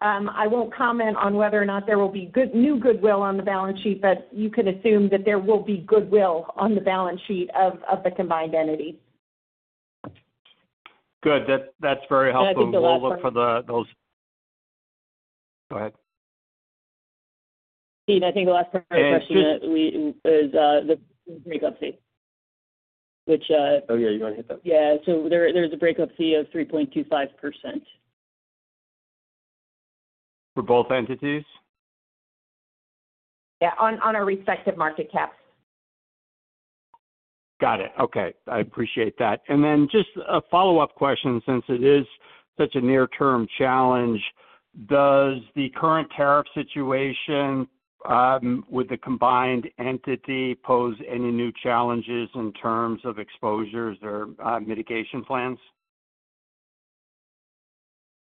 I will not comment on whether or not there will be new goodwill on the balance sheet, but you can assume that there will be goodwill on the balance sheet of the combined entity. Good. That's very helpful. We'll look for those. Go ahead. Deane, I think the last part of the question is the breakup fee, which. Oh, yeah. You want to hit that. Yeah. So there's a breakup fee of 3.25%. For both entities? Yeah. On our respective market caps. Got it. Okay. I appreciate that. Just a follow-up question, since it is such a near-term challenge. Does the current tariff situation with the combined entity pose any new challenges in terms of exposures or mitigation plans?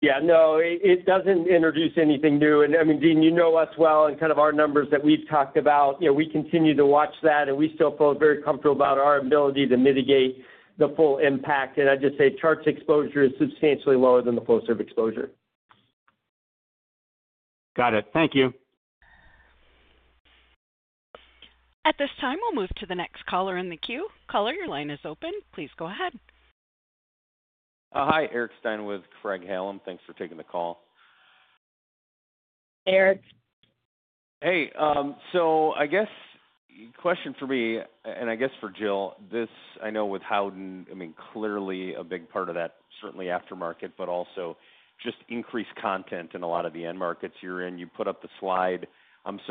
Yeah. No, it does not introduce anything new. I mean, Deane, you know us well and kind of our numbers that we have talked about. We continue to watch that, and we still feel very comfortable about our ability to mitigate the full impact. I would just say Chart's exposure is substantially lower than the Flowserve exposure. Got it. Thank you. At this time, we'll move to the next caller in the queue. Caller, your line is open. Please go ahead. Hi, Eric Stein with Craig Hallum. Thanks for taking the call. Eric. Hey. I guess question for me, and I guess for Jill, this I know with Howden, I mean, clearly a big part of that, certainly aftermarket, but also just increased content in a lot of the end markets you're in. You put up the slide.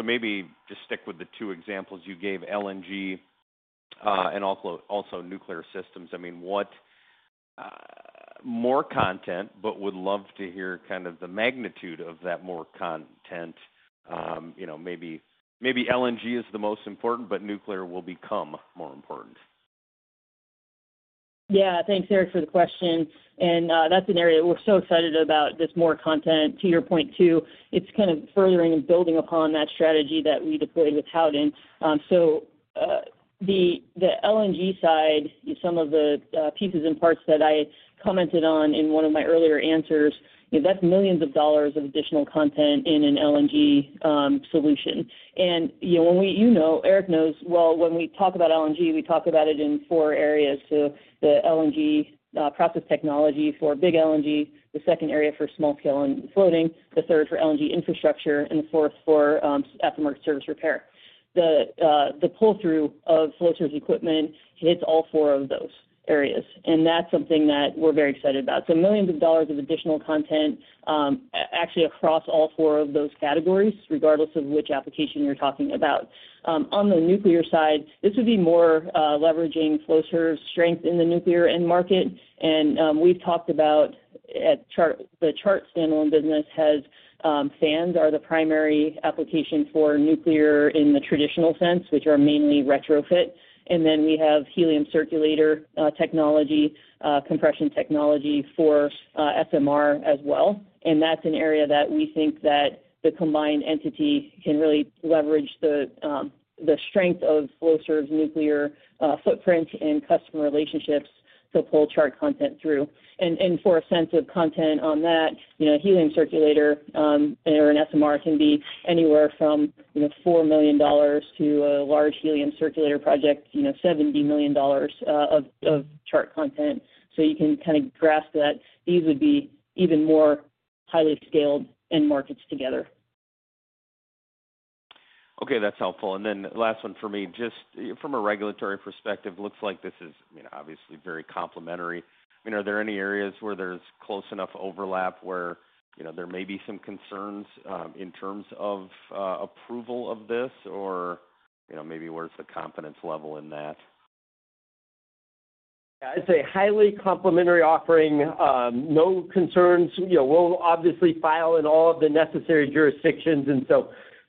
Maybe just stick with the two examples you gave, LNG and also nuclear systems. I mean, more content, but would love to hear kind of the magnitude of that more content. Maybe LNG is the most important, but nuclear will become more important. Yeah. Thanks, Eric, for the question. That's an area we're so excited about, this more content. To your point too, it's kind of furthering and building upon that strategy that we deployed with Howden. The LNG side, some of the pieces and parts that I commented on in one of my earlier answers, that's millions of dollars of additional content in an LNG solution. You know, Eric knows well, when we talk about LNG, we talk about it in four areas. The LNG process technology for big LNG, the second area for small scale and floating, the third for LNG infrastructure, and the fourth for aftermarket service repair. The pull-through of Flowserve's equipment hits all four of those areas. That's something that we're very excited about. Millions of dollars of additional content actually across all four of those categories, regardless of which application you're talking about. On the nuclear side, this would be more leveraging Flowserve's strength in the nuclear end market. We've talked about the Chart standalone business has fans are the primary application for nuclear in the traditional sense, which are mainly retrofit. We have helium circulator technology, compression technology for SMR as well. That's an area that we think that the combined entity can really leverage the strength of Flowserve's nuclear footprint and customer relationships to pull Chart content through. For a sense of content on that, helium circulator or an SMR can be anywhere from $4 million to a large helium circulator project, $70 million of Chart content. You can kind of grasp that these would be even more highly scaled end markets together. Okay. That's helpful. Then last one for me, just from a regulatory perspective, looks like this is obviously very complementary. I mean, are there any areas where there's close enough overlap where there may be some concerns in terms of approval of this? Maybe where's the confidence level in that? Yeah. I'd say highly complementary offering, no concerns. We'll obviously file in all of the necessary jurisdictions.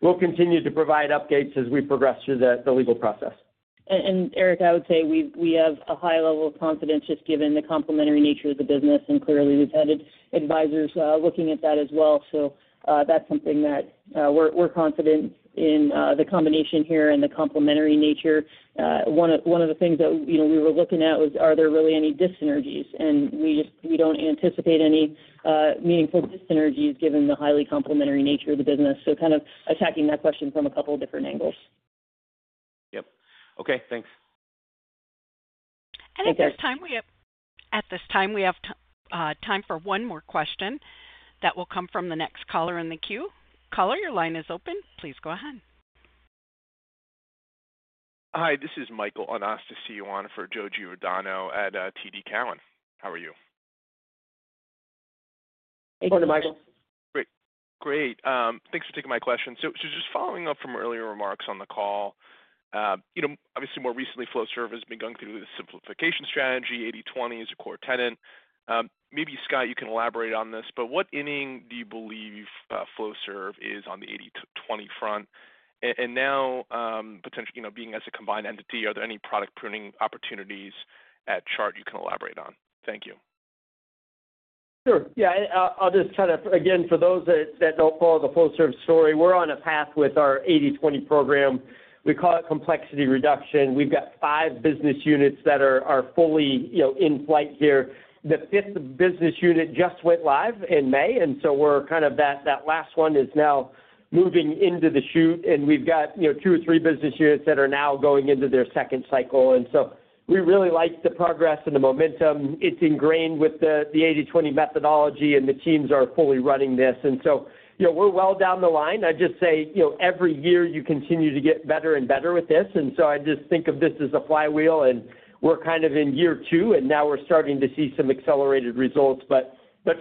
We'll continue to provide updates as we progress through the legal process. Eric, I would say we have a high level of confidence just given the complementary nature of the business. Clearly, we've had advisors looking at that as well. That's something that we're confident in, the combination here and the complementary nature. One of the things that we were looking at was, are there really any dyssynergies? We don't anticipate any meaningful dyssynergies given the highly complementary nature of the business. Kind of attacking that question from a couple of different angles. Yep. Okay. Thanks. At this time, we have time for one more question that will come from the next caller in the queue. Caller, your line is open. Please go ahead. Hi. This is Michael Elias to see you on for Joe Giordano at TD Cowen. How are you? Morning, Michael. Great. Thanks for taking my question. Just following up from earlier remarks on the call, obviously, more recently, Flowserve has been going through the simplification strategy, 80/20 as a core tenet. Maybe, Scott, you can elaborate on this, but what inning do you believe Flowserve is on the 80/20 front? Now, potentially being as a combined entity, are there any product pruning opportunities at Chart you can elaborate on? Thank you. Sure. Yeah. I'll just kind of, again, for those that don't follow the Flowserve story, we're on a path with our 80/20 program. We call it complexity reduction. We've got five business units that are fully in flight here. The fifth business unit just went live in May. That last one is now moving into the chute. We've got two or three business units that are now going into their second cycle. We really like the progress and the momentum. It's ingrained with the 80/20 methodology, and the teams are fully running this. We're well down the line. I just say every year you continue to get better and better with this. I just think of this as a flywheel. We are kind of in year two, and now we are starting to see some accelerated results, but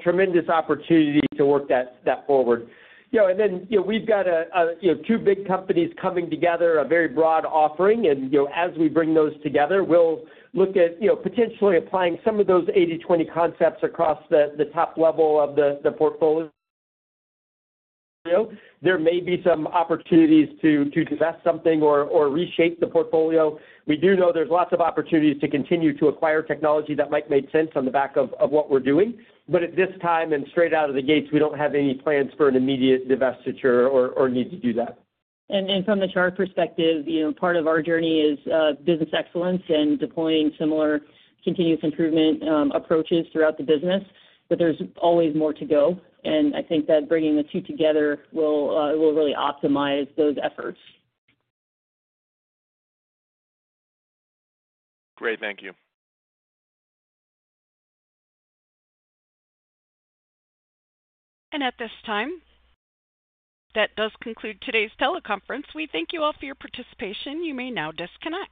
tremendous opportunity to work that forward. We have two big companies coming together, a very broad offering. As we bring those together, we will look at potentially applying some of those 80/20 concepts across the top level of the portfolio. There may be some opportunities to divest something or reshape the portfolio. We do know there are lots of opportunities to continue to acquire technology that might make sense on the back of what we are doing. At this time and straight out of the gates, we do not have any plans for an immediate divestiture or need to do that. From the Chart perspective, part of our journey is business excellence and deploying similar continuous improvement approaches throughout the business. There is always more to go. I think that bringing the two together will really optimize those efforts. Great. Thank you. At this time, that does conclude today's teleconference. We thank you all for your participation. You may now disconnect.